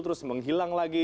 terus menghilang lagi